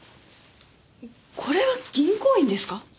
これは銀行員ですか？